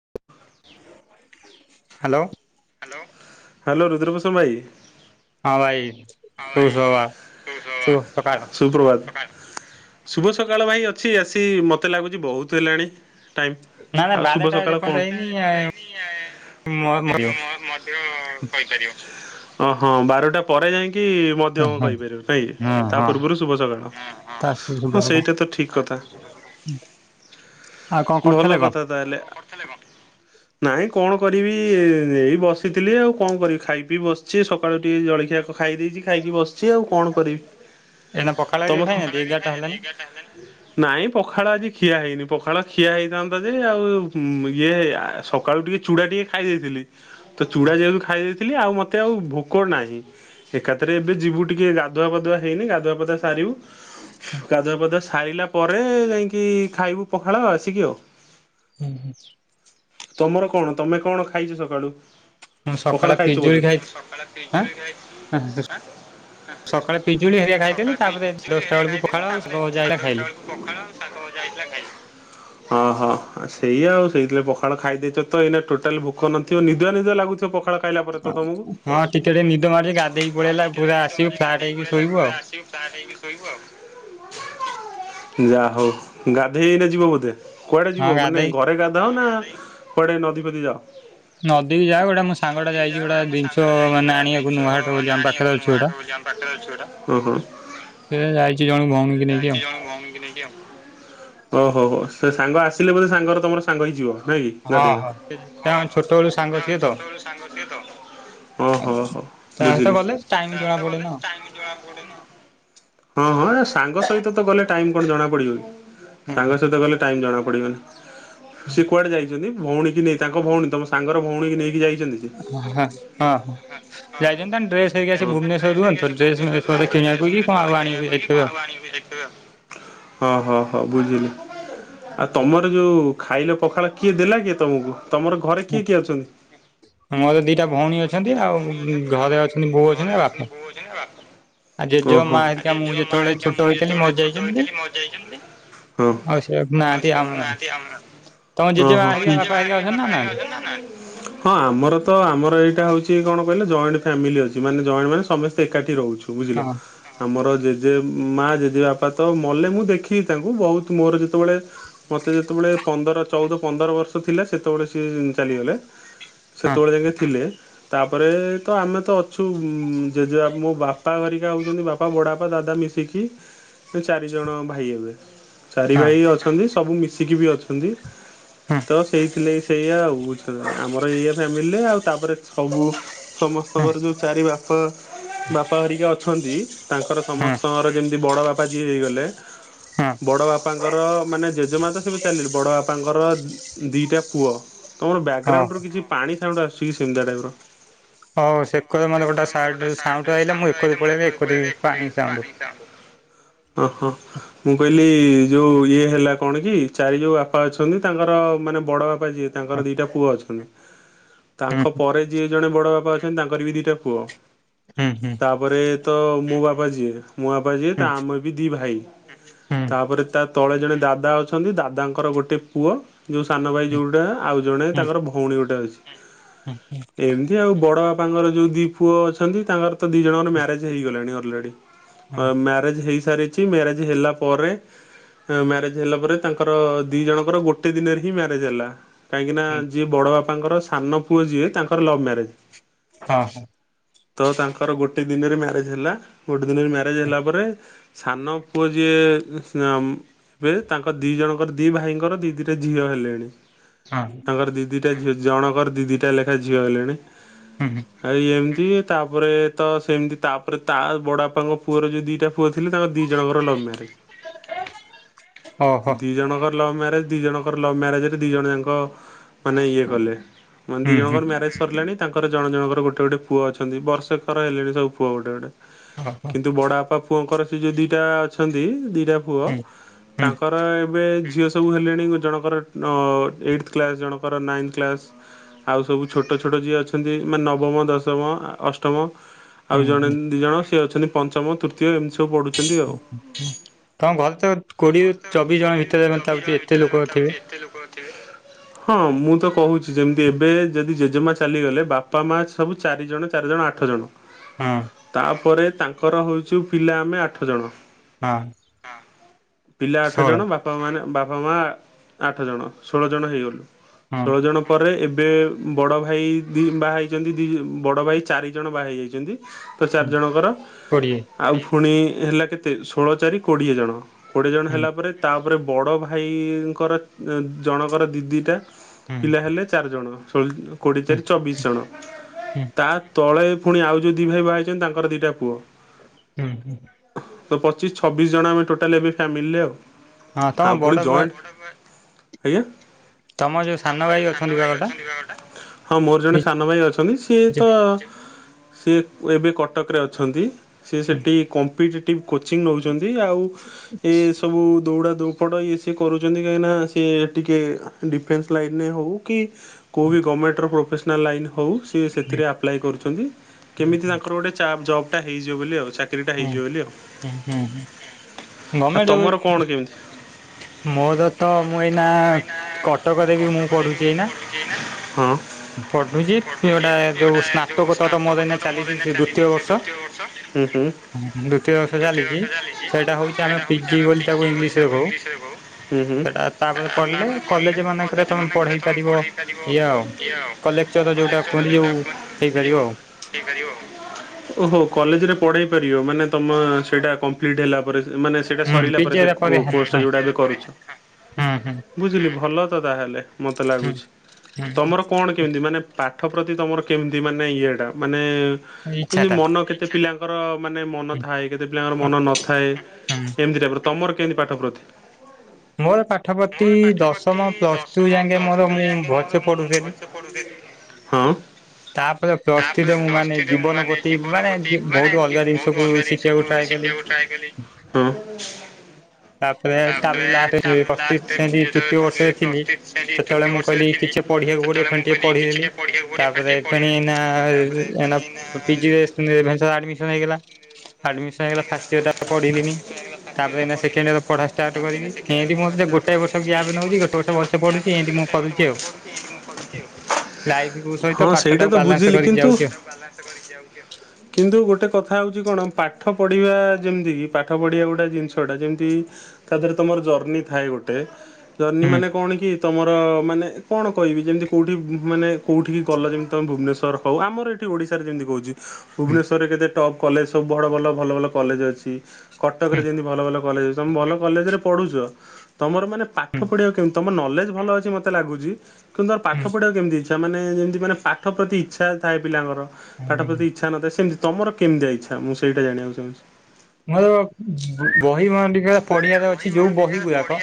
[inaudible] Hello. Hello Rudrapushan ଭାଇ। ହଁ ଭାଇ। ହଁ ଶୁଭ ଭାଇ ସଭା ଶୁଭ ସଭା। ସୁପ୍ରଭାତ ଶୁଭ ସକାଳ ଭାଇ ଅଛି ଆସି ମତେ ଲାଗୁଛି ବହୁତ ହେଲାଣି। ଟାଇମ୍ ନା ନା ଆଉ ଶୁଭ ବାରଟା ସକାଳ କୁ ଏପର୍ଯ୍ୟନ୍ତ ହେଇନି ମରିବ। ଅଁ ହଁ ବାରଟା ପରେ ଯାଇକି। ହଁ ମଧ୍ୟମ କହିପାରିବ ନାଇଁ କି ତା ହଁ ପୂର୍ବରୁ ଶୁଭ ସକାଳ। ତା ହଁ ସେଇଟା ତ ଠିକ କଥା। ଆଉ କଣ ଭଲ କରୁଥିଲେ କଣ? କଥା ତାହଲେ। ନାଇଁ କଣ କରିବି ଏ ଏଇ ବସିଥିଲି ଆଉ କଣ କରିବି ଖାଇ ପି ବସିଛି ସକାଳୁ ଟିକେ ଜଳଖିଆ। ଖାଇ ଦେଇଛି ଖାଇକି ବସିଛି ଆଉ କଣ କରିବି। ଏଇନା ପଖାଳ ହେରିକା ତମେ ଖ ଖାଇନାହାନ୍ତି ଏଗାରଟା ହେଲାଣି। ନାଇଁ ପଖାଳ ଆଜି ଖିଆ ହେଇନି ପଖାଳ ଖିଆ ହେଇଥାନ୍ତା ଯେ ଆଉ ଇଏ ସ ସକାଳୁ ଟିକେ ଚୁଡ଼ା ଟିକେ ଖାଇ ଦେଇଥିଲି ତ ଚୁଡ଼ା ଯେହେତୁ ଖାଇ ଦେଇଥିଲି ଆଉ ମୋତେ ଆଉ ଭୋକ ନାହିଁ। ଏକାଥରେ ଏବେ ଯିବୁ ଟିକେ ଗାଧୁଆ ପଧୁଆ ହେଇନି ଗାଧୁଆ ପଧୁଆ ସାରିବୁ। ଗାଧୁଆ ପାଧୁଆ ସାରିଲା ପରେ ଯାଇକି ଖାଇବୁ ପଖାଳ ଆସିକି ଆଉ। ହୁଁ ହୁଁ। ତମର କଣ ତମେ କଣ ଖାଇଛ ସକାଳୁ ମୁଁ ସକାଳେ ପଖାଳ ଖାଇଛ ପିଜୁଳି ବୋଧେ। ଖାଇଥିଲି ଆଁ [unintelligible] ସକାଳେ ପିଜୁଳି ହେରିଆ ଖାଇଥିଲି ତାପରେ ଦଶଟା ବେଳକୁ ପଖାଳ ଆଉ ଶାଗ ଭଜା ହରିଡା ଖାଇଲି। ପଖାଳ ଆଉ ଶାଗ ଭଜା ହେଇଥିଲା ଖାଇଲି।। ହଁ ହଁ ଆ ସେଇୟା ଆଉ ସେଇଥି ପାଇଁ ପଖାଳ ଖାଇ ଦେଇଛ ତ ଏଇନା ଟୋଟାଲ ଭୋକ ନ ଥିବ ନିଦଆ ନିଦଆ ଲାଗୁଥିବ ପଖାଳ ଖାଇଲା ପରେ ତମକୁ। ହଁ ଟିକେ ଟିକେ ନିଦ ମାରଛି ଗଧୋଇ କି ପଳେଇ ଆଇଲେ ପୁରା ଆସିବୁ ଫ୍ଲାଟ ହେଇକି ଶୋଇବୁ ଆଉ। [unintelligible] ଯା ହଉ ଗାଧେଇ ଏଇନା ଯିବ ବୋଧେ। କୁଆଡେ ହଁ ଯିବ ମାନେ ଗାଧେଇ ଘରେ ଗାଧାଅ ନା କୁଆଡେ ନଦୀ ଫଦୀ ଯାଅ। ନଦୀ କି ଯାଉ ଗୋଟା ମୋ ସାଙ୍ଗ ଟା ଯାଇଛି ଗୋଟା ଜିନିଷ ମାନେ ଆଣିବାକୁ। ଜିନିଷ ନୂଆହାଟ ବୋଲି ମାନେ ଆମ ପାଖରେ ଆଣିବାକୁ ଅଛି ନୂଆ ଗୋଟେ ହାଟ ବୋଲି ଆମ ପାଖରେ ଅଛି ଗୋଟା। ସେ ଯାଇଛି ଜଣେ ଭଉଣୀ କି ନେଇକି ଆଉ ‌। [unintelligible] ଓ ହୋ ହୋ ସେ ସାଙ୍ଗ ଆସିଲେ ବୋଧେ ସାଙ୍ଗର ତମର ସାଙ୍ଗ ହେଇଯିବ। ନାଇଁ କି ହଁ ଗାଧେଇ ବ। ହଁ ତାଙ୍କ ଛୋଟବେଳୁ ସାଙ୍ଗ ସିଏ ତ ଓ ହୋ ହୋ ତା ସହିତ ବୁଝିଲି। ଗଲେ ଟାଇମ ଜଣା ପଡେ ନା। ହଁ ହଁ ହଁ ଏ ସାଙ୍ଗ ସହିତ ତ ଗଲେ ଟାଇମ କଣ ଜଣା ପଡିବ କି। ସାଙ୍ଗସହିତ ଗଲେ ଟାଇମ ଜଣା ପଡିବନି। ସିଏ କୁଆଡେ ଯାଇଛନ୍ତି ଭଉଣୀ କି ନେଇ ତାଙ୍କ ଭଉଣୀ ତମ ସାଙ୍ଗର ଭଉଣୀ କି ନେଇକି ଯାଇଛନ୍ତି ସେ। ହଁ ହଁ ହଁ। ହଁ। ଜାଇଛନ୍ତି କଣ ଡ୍ରେସ ରୁହନ୍ତି ତ ଘରିକା ସେ ଡ୍ରେସ ଭୁବନେଶ୍ୱର ରେ ମେସ୍ ରୁହେ ବୋଧେ ତ କିଣିବାକୁ ଡ୍ରେସ ‌ କି କଣ ଫ୍ରେସ ଆଉ ବୋଧେ ଆଣିବାକୁ କିଣିବାକୁ କି ଯାଇଥିବେ କଣ ଆଉ ଆଣିବାକୁ ଯାଇ ଥିବେ ଆଉ। ହ ହ ହଁ ବୁଝିଲି। ଆଉ ତମର ଯୋଉ ଖାଇଲ ପଖାଳ କିଏ ଦେଲା କିଏ ତମକୁ ତମର ଘରେ କିଏ କିଏ ଅଛନ୍ତି। ମୋର ଦିଟା ଭଉଣୀ ଅଛନ୍ତି ଆଉ ଘରେ ଅଛନ୍ତି ବୋଉ ଅଛନ୍ତି ଆଉ ବାପା। [unintelligible] ଆଉ ଆଉ ଜେଜେ ମା ହେରିକା ମୁଁ ଜେଜ ମା ଯେତେବେଳେ ଘରିକା ଛୋଟ ମୁଁ ଯେତେ ହେଇଥିଲି ବେଳେ ମରି ଛୋଟ ଯାଇଛନ୍ତି ହେଇଥିଲି ମରି ଯାଇଛନ୍ତି। ଆଉ ସେ ନାହାନ୍ତି ସିଏ ଆମ ଆଉ ନାହାନ୍ତି ଆମେ ଆଉ। ତମ ଜେଜେମା ତମ ହେରିକା ଜେଜେ ବାପା ମା ହେରିକା ଘରିକା ଅଛନ୍ତି ନା ବାପା ଘରିକା ନାହାନ୍ତି? ଅଛନ୍ତି ନା। ହଁ ଆମର ତ ଆମର ଏଇଟା ହଉଛି କଣ। କହିଲେ ଜଏଣ୍ଟ ଫ୍ୟାମିଲି ଅଛି ମାନେ ଜଏଣ୍ଟ ମାନେ ସମେସ୍ତେ ଏକାଠି ରହୁଛୁ ବୁଝିଲ। ହଁ ଆମର ଜେଜେ ମା ଜେଜେ ବାପା ତ ମଲେ ମୁଁ ଦେଖିନି ତାଙ୍କୁ ବହୁତ ମୋର ଯେତେବେଳେ। ମତେ ଯେତେବେଳେ ପନ୍ଦର ଚଉଦ ପନ୍ଦର ବର୍ଷ ଥିଲା ସେତେବେଳେ ସିଏ ଚାଲିଗଲେ। ହଁ ସେତେବେଳେ ଯାଙ୍କେ ଥିଲେ ତାପରେ ତ ଆମେ ତ ଅଛୁ ଜେଜେ ମୋ ବାପା। ବାପା ଘରିକା ହେଉଛନ୍ତି ବାପା ବଡ଼ବାପା ଦାଦା ମିଶିକି ଚାରିଜଣ ଭାଇ ହେବେ। ଚାରି ହଁ ଭାଇ ଅଛନ୍ତି ସବୁ ମିଶିକି ବି ଅଛନ୍ତି ହଁ ତ ସେଇଥିଲେ ସେଇଆ ଆଉ ଆମର ଇଏ ଫ୍ୟାମିଲିରେ ଆଉ ତାପରେ ସବୁ ସମସ୍ତଙ୍କର ଯୋଉ ଚାରି ବାପା ବାପା ହେରିକା ଅଛନ୍ତି ତାଙ୍କର ହଁ ହଁ ହଁ ସମସ୍ତଙ୍କର ଯେମିତି ବଡ଼ ବାପା ଯିଏ ହେଇଗଲେ ବଡ ବାପାଙ୍କର ମାନେ ଜେଜେମା ତ କେବେ ଚାଲି [unintelligible] ବଡ ବାପାଙ୍କର ଦିଟା ପୁଅ ତୁମର ହଉ। ବ୍ୟାକଗ୍ରାଉଣ୍ଡରୁ କିଛି ପାଣି ସାଉଣ୍ଡ ଆସୁଛି କି ସେମିତିତଟଆ ଟାଇପର? ହଁ ସେ [inaudible] ପଳେଇଲି ଏକରେ ପାଣି ସାଉଣ୍ଡ। ଓ ହୋ ମୁଁ କହିଲି ଯୋଉ ଇଏ ହେଲା କଣ କି ଚାରି ଯୋଉ ବାପା ଅଛନ୍ତି ତାଙ୍କର ମାନେ ବଡ ବାପା ତାଙ୍କର ଦିଟା ପୁଅ ଅଛନ୍ତି। ହୁଁ ତାଙ୍କ ପରେ ଯିଏ ଜଣେ ବଡ଼ ବାପା ଅଛନ୍ତି ତାଙ୍କର ବି ଦିଟା ପୁଅ ହୁଁ ହୁଁ ତାପରେ ତ ମୋ ବାପା ଯିଏ ମୋ ବାପା ଯିଏ ହୁଁ ତା ଆମେ ବି ଦି ଭାଇ ହୁଁ ତାପରେ ତା ତଳେ ଜଣେ ଦାଦା ଅଛନ୍ତି ଦାଦାଙ୍କର ଗୋଟେ ପୁଅ ଯୋଉ ସାନ ଭାଇ ହୁଁ ଯୋଉଟା ଆଉ ଜଣେ ହୁଁ ତାଙ୍କର ଭଉଣୀ ଗୋଟେ ଅଛି। ହୁଁ ହୁଁ। ଏମିତି ଆଉ ବଡ଼ ବାପାଙ୍କର ଯୋଉ ଦି ପୁଅ ଅଛନ୍ତି ତାଙ୍କର ତ ଦି ଜଣଙ୍କର ମ୍ୟାରେଜ ହେଇଗଲାଣି ଅଲରେଡି ଅ ମ ରେଜ ହେଇସାରିଛି ମ୍ୟାରେଜ ହେଲା ପରେ ମ୍ୟାରେଜ ହେଲା ପରେ ତାଙ୍କର ଦି ଜଣଙ୍କର ଗୋଟେ ଦିନରେ ହିଁ ମ୍ୟାରେଜ ହେଲା। କାହିଁକିନା ହୁଁ। ଯିଏ ବଡ଼ ବାପାଙ୍କର ସାନ ପୁଅ ଯିଏ ତାଙ୍କର ଲଭ୍ ମ୍ୟାରେଜ। ହଁ ହଁ। ତ ତାଙ୍କର ଗୋଟେ ଦିନରେ ମ୍ୟାରେଜ ହେଲା ଗୋଟେ ଦିନରେ ମ୍ୟାରେଜ୍ ହେଲା ପରେ ସାନ ପୁଅ ଯିଏ ସେ ଏବେ ତାଙ୍କ ଦି ଜଣଙ୍କର ଦି ଭାଇଙ୍କର ଦି ଦିଟା ଝିଅ ହେଲେଣି। ହଁ। ତାଙ୍କର ଦି ଦିଟା ଝିଅ ଜଣଙ୍କର ଦି ଦିଟା ଲେଖା ଝିଅ ହେଲେଣି। ହୁଁ, ହୁଁ। ଆଉ ଏମିତି ତାପରେ ତ ସେମିତି ତାପରେ ତା ବଡ଼ ବାପାଙ୍କ ପୁଅର ଯୋଉ ଦିଟା ପୁଅ ଥିଲେ ତାଙ୍କ ଦୁଇ ଜଣଙ୍କର ଲଭ୍ ମ୍ୟାରେଜ। ଓହୋ ଦି ଜଣଙ୍କର ଲଭ ମ୍ୟାରେଜ ଦି ଜଣଙ୍କର ଲଭ୍ ମ୍ୟାରେଜରେ ଦି ଜଣ ଯାଙ୍କ ମାନେ ଇଏ କଲେ ମାନେ ହୁଁ ଦୁଇ ହୁଁ ଜଣଙ୍କର ମ୍ୟାରେଜ ସରିଲାଣି ତାଙ୍କର ଜଣ ଜଣଙ୍କର ଗୋଟେ ଗୋଟେ ପୁଅ ଅଛନ୍ତି ବର୍ଷେକର ହେଲେଣି ସବୁ ପୁଅ ଗୋଟେ ଗୋଟେ। ଅ ହ କିନ୍ତୁ ବଡ଼ ବାପା ପୁଅଙ୍କର ସେ ଯୋଉ ଦିଟା ଅଛନ୍ତି ଦି ପୁଅ ହୁଁ ହୁଁ ହୁଁ ତାଙ୍କର ଏବେ ଝିଅ ସବୁ ହେଲେଣି ଜଣଙ୍କର ଏଇଟିଥ କ୍ଲାସ ଜଣଙ୍କର ନାଇନ୍ଥ କ୍ଲାସ। ଆଉ ସବୁ ଛୋଟ ଛୋଟ ଯିଏ ଅଛନ୍ତି ମାନେ ନବମ ଦଶମ ଅଷ୍ଟ ଅଷ୍ଟ ହୁଁ ଆଉ ଜଣେ ହୁଁ। ଦି ଜଣ ସି ଅଛନ୍ତି ପଞ୍ଚମ ତୃତୀୟ ଏମିତି ସବୁ ପଢ଼ୁ ତମ ଘରେ ତ କୋଡ଼ିଏରୁ ଚବିଶ ଜଣ ଭିତରେ ମତେ ଲାଗୁଛି ଏତେ ଲୋକ ଥିବେ ହଁ ମୁଁ ତ କହୁଛି ଯେମିତି ଏବେ ଏବେ ଯଦି ଜେଜେମା ଚାଲିଗଲେ ବାପା ମା ସବୁ ଚାରିଜଣ ଚାରିଜଣ ଆଠ ଜଣ। ହଁ। ତାପରେ ତାଙ୍କର ହେଉଛୁ ପିଲା ଆମେ ଆଠ ଜଣ। ହଁ। ପିଲା ଆଠ ଷୋହଳ ଜଣ ବାପା ବାପା ମାନେ ବାପା ମା ଆଠ ଜଣ ଷୋହଳ ଜଣ ହେଇଗଲୁ ହଁ ଷୋହଳ ଜଣ ପରେ ଏବେ ଏବେ ବଡ଼ ଭାଇ ଦି ବାହା ହେଇଛନ୍ତି ଦି ବଡ଼ ଭାଇ ଚାରିଜଣ ବାହା ହେଇଯାଇଛନ୍ତି। ତ ଚାରିଜଣଙ୍କର କୋଡିଏ ଆଉ ପୁଣି ହେଲା କେତେ ଷୋହଳ ଚାରି କୋଡ଼ିଏ ଜଣ। କୋଡ଼ିଏ ଜଣ ହୁଁ ହେଲା ପରେ ତାପରେ ବଡ଼ ଭାଇଙ୍କର ଜଣଙ୍କର ଦିଦିଟା ହୁଁ ପିଲା ହେଲେ ଚାରି ଜଣ କୋଡ଼ିଏ ହୁଁ ଚାରି ଚବିଶ ଜଣ ହୁଁ ତାତଳେ ପରେ ପୁଣି ଆଉ ଯୋଉ ଦି ଭାଇ ବାହା ହେଇଚନ୍ତି ତାଙ୍କର ଦିଇଟା ପୁଅ। ହୁଁ ହୁଁ। ତ ପଚିଶ ଛବିଶ ଜଣ ଆମେ ଟୋଟାଲ ଏବେ ଫ୍ୟାମିଲିରେ ଆଉ। ହଁ ତମ ଆଉ ବଡ ପୁଣି ବା ଜଏଣ୍ଟ [unintelligible] ଆଜ୍ଞା। ତମ ଯୋଉ ସାନ ଭାଇ ଅଛନ୍ତି ବା ଗୋଟେ? ହଁ ମୋର ଜଣେ ସାନ ଭାଇ ଅଛନ୍ତି ସିଏ ତ ସି ଏବେ କଟକରେ ଅଛନ୍ତି ସି ସେଠି କମ୍ପିଟେଟିଭ କୋଚିଂ ନଉ ଚନ୍ତି ଆଉ ଏ ସବୁ ଦୌଡା ଦୌ ସେପଟ ଇଏ ସିଏ କରୁଚନ୍ତି କାହିଁକିନା ସି ଟିକଏ ଡିଫେନ୍ସ ଲାଇନ ରେ ହେଉ କି କେଉଁ ବି ଗମେଣ୍ଟର ପ୍ରୋଫେସନାଲ ଲାଇନ୍ ହେଉ ହୁଁ ସେଥିରେ ଆପ୍ଲାଏ କରୁଚନ୍ତି ହୁଁ କେମିତି ତାଙ୍କର ଗୋଟେ ଜବ୍ଟା ହେଇଯିବ ବୋଲି ଆଉ ଚା ଚାକିରି ଟା ହୁଁ ହେଇଯିବ ବୋଲି। ଆଉ ହୁଁ ହୁଁ। ଗମେଣ୍ଟ ତମର କଣ କେମିତି? ମୋର ତ ମୁଁ ଏଇନା କଟକରେବି ମୁଁ ପଢୁଚି ଏଇନା। ହଁ। ହୁଁ ପଢୁଛି ଗୋଟା ହୁଁ। ଯୋଉ ସ୍ନାତକୋତ୍ତର ଦ୍ୱିତୀୟ ମୋର ଏଇନା ଚାଲିଛି ସେ ବର୍ଷ ଦ୍ଵିତୀୟ ବର୍ଷ ଚାଲିଚି। ସେଇଟା ଦ୍ଵିତୀୟ ବର୍ଷ ହଉଚି ଚାଲିଛି ସେଇଟା ଆମେ ହଉଛି ଆମେ ପିଜି ପିଟି ତାକୁ ଇଂଲିଶ ରେ କହୁ ବୋଲି ତାକୁ ସେଟା ତାପରେ ଇଂଶ ପଢିଲେ କଲେଜ ହୁଁ ମାନଙ୍କରେ ତମେ ପଢେଇ ହୁଁ। ପାରିବ ପଢ଼େଇପାରିବ କି ଆଉ କଲେକ୍ଚର ଯୋଉଟା କଲେକ୍ଟର କୁହନ୍ତି ଯଉଁଟା ଯୋଉ ଏ ହେଇପାରିବ ଯେଉଁ ଆଉ ହେଇ ପାରିବ। ଓହୋ କଲେଜରେ ପଢେଇ ପାରିବ ମାନେ ତମ ସେଇଟା କମ୍ପ୍ଲିଟ ହେଲା ପରେ ମାନେ ସେଇଟା ହୁଁ ସରିଲା ପିଜି ପରେ ସେ କୋ ହଁ କୋର୍ସଟା ଯଉଟା ଏବେ କରିଚ। ହୁଁ ହୁଁ ବୁଝିଲି ଭଲ ତ ତାହେଲେ ମୋତେ ହୁଁ ଲାଗୁଚି। ହୁଁ ତମର କଣ କେମିତି ମାନେ ପାଠ ପ୍ରତି ତମର କେମିତି ମାନେ ଇଏଟା ମାନେ ଇଚ୍ଛା ଏମତି ଟା ମନ କେତେ ପିଲାଙ୍କ ଙ୍କର ମାନେ ମନ ଥାଏ କେତେ ପିଲାଙ୍କର ମନ ନଥାଏ ଏମିତି ଟାଇପର ତମର କେମିତି ପାଠ ପ୍ରତି? ମୋର ପାଠ ପ୍ରତି ଦଶମ ପ୍ଲସ ଟୁ ଯାଏ କେ ହଁ। ମୋର ମୁଁ ଭଲସେ ତାପରେ ପଢୁଥିଲି ତାପରେ ପ୍ଲସ୍ ଥ୍ରୀରେ ମୁଁ ପ୍ଲସ ମାନେ ଥ୍ରି ରେ ମୁଁ ଜୀବନ ମାନେ ପ୍ରତି ଜୀବନ ମାନେ ପ୍ରତି ବହୁତ ମାନେ ଅଲଗା ଜିନିଷକୁ ବହୁତ ଅଲଗା ଶିଖିବାକୁ ଜିନିଷକୁୁ ଟ୍ରାଏ କଲି। ଶିଖିବାକୁ ହଁ। ତାପରେ ତାପରେ ଲାଶଠ [unintelligible] ତୃତୀୟ ବର୍ଷରେ ଥିଲି। ଯେତେବେଳେ ମୁଁ କହିଲି କିଛି ପଢିବାକୁ ପଢିବ ଫେଣି ଟିକେ ପଢିଦେଲି ତାପରେ ପୁଣି ଏଇନା ପିଜି ଏ ରେଭେନ୍ସା ରେ ଆଡମିସନ ହେଇଗଲା। ଆଡମିସନ ହେଇଗଲା ଫାଷ୍ଟ ଇୟର ଟା ପଢିଲିନି ତାପରେ ଏଇନା ସେକ୍ କେଣ୍ଡ୍ ଇଅର ପଢା ଷ୍ଟାର୍ଟ କରିବି। ଏମିତି ମତେ ଗୋଟେ ବର୍ଷଆ ଗ୍ୟାପ ନଉଚି ଗୋଟେ ବର୍ଷ ଭଲ ସେ ପଢୁଚି ଏ ଲାଇଫ ସହିତ ହଁ ପାଠ ସେଇଟା ଟାକୁ ତ ବାଲାନ୍ସ ବୁଝିଲି କରିକି କିନ୍ତୁ ଯାଉଛି ଆଉ। ଚାଷ କରିଚି ଆଉ କିନ୍ତୁ ଗୋଟେ କଥା ହଉଚି କଣ ପାଠ ପଢିବା ଯେମିତି କି ପାଠ ପଢିବା ଗୋଟେ ଜିନିଷ ଠ ଟା ଯେମିତି ତା ଦେହରେ ତମର ଜର୍ଣିି ଥାଏ ଗୋଟେ ଜର୍ଣିୀ ହୁଁ ମାନେ କଣ କି ତମର ମାନେ କଣ କହିବି ଯେମିତି କେଉଁଠି ମାନେ କଉଁଠିକି ଗଲଣି ତମେ ଭୁବନେଶ୍ୱର ହଉ ଆମର ଏଠି ଓଡିଶାରେ ଯେମିତି କହୁଚି ହୁଁ ଭୁବନେଶ୍ୱରରେ କେତେ ଟପ୍ କଲେଜ ସବୁ ବଡ଼ ଭଲ ଭଲ ଭଲ କଲେଜ ଅଛି। କଟକରେ ହୁଁ ଯେମିତି ଭଲ ଭଲ କଲେଜ ଅଛି। ତମେ ଭଲ କଲେଜ ରେ ପଢୁଛ ତମର ମାନେ ହୁଁ ପାଠ ପଢିବା କେମିତି ତମର ନଲେଜ୍ ଭଲ ଅଛି ମତେ ଲାଗୁଛି କିନ୍ତୁ ତମର ହୁଁ ପାଠ ପଢିବାକୁ କେମିତି ଅଛି। ସେମାନ ଯେମିତି ମାନେ ପାଠ ପ୍ରତି ଇଚ୍ଛା ଥାଏ ପିଲାଙ୍କର ହୁଁ ପାଠ ହୁଁ। ପ୍ରତି ଇଚ୍ଛା ନଥାଏ ସେମିତି ତମର କେମିତିଆ ଇଚ୍ଛାଁ ମୁଁ ସେଇଟା ଜାଣିବାକୁ ଚାହୁଁଚି। ମୋର ବହି ମାନେ ଟିକେ ପଢ଼ିବାର ଅଛି ଯୋଉ ବହି ଗୁଡାକ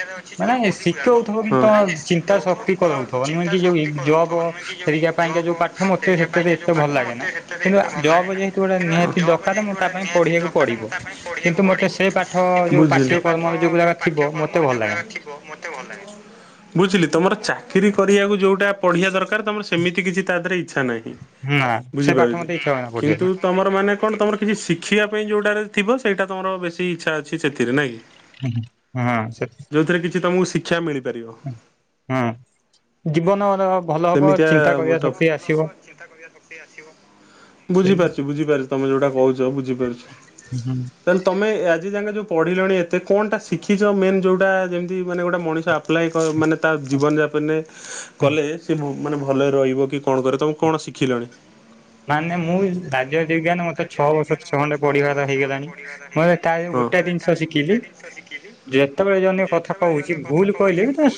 ମାନେ ଶିଖଉ ଥବ ବୋଲି ତ ଚିତା ତା ଶକ୍ତି କରଉଥିବ ନୁହେଁ କି ଯୋଉ ଜବ ହେରିକା ଯଉଁ ପାଠ ମତେ ସେତେ ତ ଏତେ ଭଲ ଲାଗେ ନା। କିନ୍ତୁ ଆ ଜବ ଯେହେତୁ ଗୋଟେ ନିହାତି ଦରକାର। ମୁଁ ତା ପାଇଁ ପଢିବାକୁ ପଡିବ। କିନ୍ତୁ ମୋତେ ସେ ପାଠ ଯୋଉ ପାଠ୍ୟ କର୍ମ ଯୋଉ ଗୁରାକ୍ ଥିବ ମୋତେ ଭଲ ଲାଗେନି। ବୁଝିଲି ତମର ଚାକିରି କରିବାକୁ ଯୋଉଟା ପଢିବା ଦରକାର ତମର ସେମିତି କିଛି ତା ଦେହରେ ଇଚ୍ଛା ନାହିଁ। ନା ସେ ପାଠ ବୁଝିପାରୁଛି ମତେ ଇଚ୍ଛା ହୁଏନା କିନ୍ତୁ? ପଢିବାକୁ ତମର ମାନେ କଣ ତମର କିଛି ଶିଖିବା ପାଇଁ ଯୋଉଟାରେ ଥିବ। ସେଇଟା ତମର ବେଶୀ ଇଚ୍ଛା ଅଛି ସେଥିରେ ନା କି। ହୁଁ ହୁଁ ହାଁ ସେ ଯଉଥିରେ କିଛି ତମକୁ ଶିକ୍ଷା ମିଳିପାରିବ। ହୁଁ ହଁ ଜୀବନର ଭଲ ହବ ସେମିତିଆ ଚିନ୍ତା ମୁଁ କରିବା ତ ଶକ୍ତି ଆସିବ ସେଇ ବୁଝିପାରୁଛି ବୁଝିପାରୁ ତମେ ଯେଉଟା କହୁଛ ବୁଝିପାରୁଛି। ହୁଁ ହୁଁ। ତାହେଲେ ତମେ ଆଜି ଯାକେ ଯୋଉ ପଢିଲଣି ଏତେ କଣଟା ଶିଖିଛ। ମେନ୍ ଯୋଉଟା ଯେମିତି ମାନେ ଗୋଟେ ମଣିଷ ଆ ଆପ୍ଲାଏ କ ମାନେ ତା ଜୀବନଯାପନରେ କଲେ। ସେ ମାନେ ଭଲରେ ରହିବ କି କଣ କରିବ ତମେ କଣ ଶିଖିଲଣି? ମାନେ ମୁଁ ରାଜନୀତି ବିଜ୍ଞାନ ମତେ ଛଅ ବର୍ଷ ଛ ଖଣ୍ଡେ ପଢିବାର ହେଇଗଲାଣି। ମୁଁ ତା ଦିହରୁ ଗୋଟେ ଜିନିଷ ଶିଖିଲି। ଯେତେବେଳେ ଜଣେ କଥା କହୁଛି ଭୁଲ କହିଲେ ବି ତା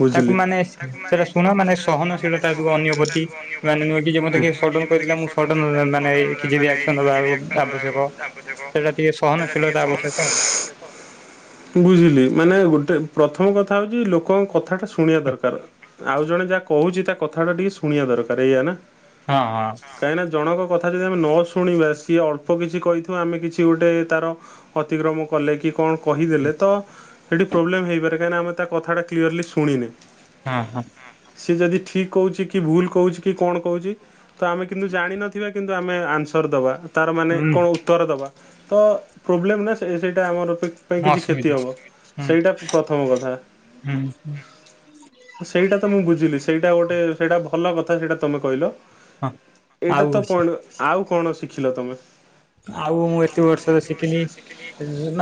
ବୁଝିଲି। ସେଇଟା ଶୁଣ ମାନେ ସହନଶୀଳତା ରୁହ ଅନ୍ୟପତି। [unintelligible] [unintelligible] ସଡନ ମାନେ କିଛି ରିଆକ୍ସନ ଦବା ଆବଶ୍ୟକ। ସେଇଟା ଟିକେ ସହନଶୀଳତା ଆବଶ୍ୟକ ଆଉ। ବୁଝିଲି ମାନେ ଗୋଟେ, ପ୍ରଥମ କଥା ହଉଛି ଲୋକଙ୍କ କଥାଟା ଶୁଣିବା ଦରକା ଆଉ ଜଣେ ଯାହା କହୁଛି ତା କଥା ଟା ଟିକେ ଶୁଣିବା ଦରକାର ଏଇଆ ନା। ହଁ ହଁ। କାହିଁକିନା ଜଣଙ୍କ କଥା ଯଦି ଆମେ ନ ଶୁଣିବା ସିଏ ଅଳ୍ପ କିଛି କହିଥିବ ଆମେ କିଛି ଗୁଟେ ତାର ଅତିକ୍ରମ କଲେ କି କଣ କହିଦେଲେ ତ ସେଠି ପ୍ରୋବଲେମ୍ ହୋଇପାରେ କାହିଁକିନା ଆମେ ତା କଥା ଟା କ୍ଲିୟରଲି ଶୁଣିନେ। ହଁ ହଁ। ସିଏ ଯଦି ଠିକ୍ କହୁଛି କି ଭୁଲ କହୁଛି କି କଣ କହୁଛି ତ ଆମେ କିନ୍ତୁ ଜାଣିିନଥିବା କିନ୍ତୁ ଆମେ ଆନ୍ସର ଦବା। ତାର ମାନେ କଣ ହୁଁ ଉତ୍ତର ଦେବା ତ ପ୍ରୋବ୍ଲେମ୍ ନା ସେ ସେଇଟା ଆମର ପାଇଁ କିଛି ଅସୁବିଧା କ୍ଷତି ହବ ସେଇଟା ପ୍ରଥମ କଥା ହୁଁ ହୁଁ। ସେଇଟା ତ ମୁଁ ବୁଝିଲି, ସେଇଟା ଗୋଟେ ସେଇଟା ଭଲ କଥା ସେଇଟା ତମେ କହିଲ। ହଁ ଏଇଟା ତ ଆଉ ପ ଆଉ କଣ ଶିଖିଲ ତମେ? ଆଉ ମୁଁ ଏତେ ବର୍ଷର ଶିଖିଲି,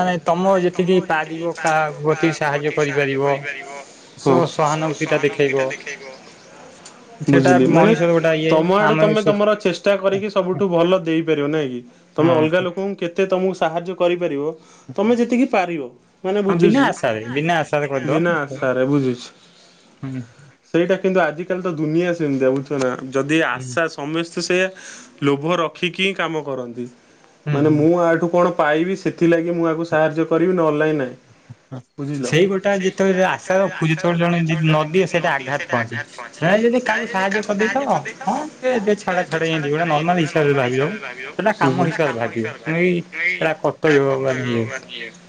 ମାନେ ତମ ଯେତିକି ପାରିବ ପାରିବ କାହାକୁ ଅତି ସାହାଯ୍ୟ କରିପାରିବ ସ ହଁ। ଶ ସହାନୁଭୂତି ଟା ଦେଖେଇବ ସହାନୁଭୁତିଟା ଦେଖେଇବ। ସେଟା ବୁଝିଲି ମାନେ ମଣିଷର ଗୋଟେ ଇଏ ତମ ଆଡୁ ଆମେ ତମେ ହୁଁ ତମର ଚେଷ୍ ଷ୍ଟା କରିକି ସବୁଠୁ ଭଲ ଦେଇପାରିବ ନାଇଁ କି ତମେ ଅଲଗା ହଁ ଲୋକଙ୍କୁ କେତେ ତମକୁ ସାହାଯ୍ୟ କରିପାରିବ ତମେ ଯେତିକି ପାରିବ ମାନେ ବିନା ବୁଝୁଛି ଆଶାରେ ବିନା ଆଶାରେ କରିଦବ ବିନା ଆଶାରେ ବୁଝୁଛି। ହୁଁ। ସେଇଟା କିନ୍ତୁ ଆଜିିକାଲି ତ ଦୁନିଆ ସେମିତିଆ ବୁଝଛ ନା ଯଦି ହୁଁ ଆଶା ସମସ୍ତେ ସେଆ ଲୋଭ ରଖିକି ହିଁ କାମ କରନ୍ତି ହୁଁ ମାନେ ହୁଁ। ମୁଁ ଆଠୁ କଣ? ପାଇବି ସେଥିଲାଗି ମୁଁ ଆକୁ ସାହାଯ୍ୟ କରିବି ନହେଲେ ନାଇ ନାଇ। ସେଇ ଗୋଟା ଯେତେବେଳେ ଆଶା ରଖୁଚେ ଚ ଜଣେ ଯଦି ନ ଦିଏ ସେଇଟା ଆଘାତ ପହଞ୍ଚେ। ନାଇ ଯଦି କାହାକୁ ସାହାଯ୍ୟ କରିଦେଇଥିବ ହଁ। ଏ ଛାଡ ଛାଡା ଇନ୍ତି ନର୍ମାଲ ହିସାବରେ ଭାବିବ ଯୁଟା କାମ ହିସାବରେ ଭାବିବ ନୁହେ ଏଇ ଏଇଟା [unintelligible]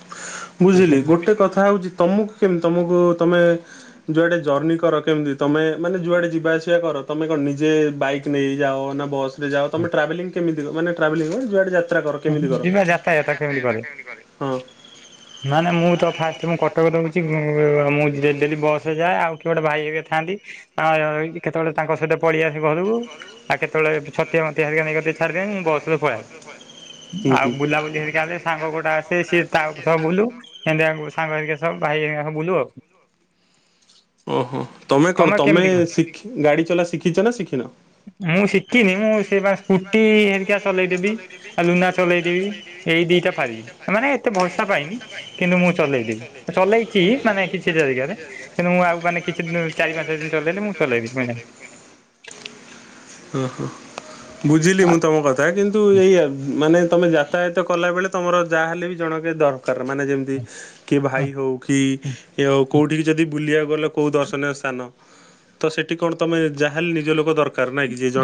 ବୁଝିଲି ଇଏ ଗୋଟେ କଥା ହେଉଛି ତମକୁ କେମିତି ତମକୁ ତମେ ଯୁଆଡେ ଜର୍ଣିି କର କେମିତି ତମେ ମାନେ ଯୁଆଡେ ଯିବା ଆସିବା କର ତମେ କଣ ନିଜେ ବାଇକ ନେଇ ଯାଅ ନା ବସ୍ ଯାଅ ତମେ ଟ୍ରାଭେଲିଂ କେମିତି ମାନେ ଟ୍ରାଭେଲିଂ କଣ ଯୁଆଡେ ଯା ଯାତାୟତ କେମିତି କରେ? ହଁ ନା ନା ମୁଁ ତ ଫାଷ୍ଟ ମୁଁ କଟକ ରହୁଛି ଉ ମୁଁ ଯଦି ଯଦି ବସରେ ଯାଏ। ଆଉ କିଏ ଗୋଟେ ଭାଇ ହେରିକା ଥାଆନ୍ତି [unintelligible] କେତେବେଳେ ତାଙ୍କ ସହିତ ପଳେଇଆସେ ଘରକୁ। ଆଉ କେତେବେଳେ ଛତିଆ ମତିଆ ହେରିକା ନେଇକି ଛାଦିଦେବେ ମୁଁ ବସରେ ପଳାଏ। ହୁଁ ଆଉ ହୁଁ। ବୁଲାବୁଲି ହେରିକା ଯେ ସାଙ୍ଗ ଗୋଟେ ଆସେ ସିଏ ତା ସହ ବୁଲୁ। ସେମିତି ଆମେ ସାଙ୍ଗ ହେରିକା ସହ ଭାଇ ହେରିକା ସବୁ ବୁଲୁ ଆଉ। ଓହୋ ତମେ କଣ ତମେ ଶିଖ ଗାଡି ଚଲା ଶିଖିଛ ନା ଶିଖିନ? ମୁଁ ଶିଖିନି ମୁଁ ସେ ବା ସ୍କୁଟି ହେରିକା ଚଲେଇଦେବି। ଆଉ ଲୁନା ଚଲେଇଦେବି ଏଇ ଦିଟା ପାରିବି ମାନେ ଏତେ ଭରସା ପାଇନି। କିନ୍ତୁ ମୁଁ ଚଲେଇଦେବି ଚଲେଇଛି ମାନେ କିଛିଟା ଜାଗାରେ କିନ୍ତୁ ମୁଁ ଆଉ ମାନେ କିଛି ଚାରି ପାଞ୍ଚ ଦିନ ଚଲେଇଲେ ମୁଁ ଚଲେଇବି [unintelligible] ହ ହ ବୁଝିଲି ମୁଁ ତମ କଥା। ତା କିନ୍ତୁ ଏଇଆ ମାନେ ତମେ ଯାତାୟାତ କଲାବେଳେ ତମର ଯାହାହେଲେ ବି ଜଣକେହି ଦର ଖର୍ ମାନେ ଯେମିତି କି ଭାଇ ହଉ କି ଆଉ କୋଉଠିକି ଯଦି ବୁଲିବାକୁ ଗଲେ କୋଉ ଦର୍ଶନୀୟ ସ୍ଥାନ ତ ସେଠି କଣ ତମେ ଯାହେଲେ ନିଜ ଲୋକ ଦରକାର ନାଇଁକି ଯିଏ ଜଣେ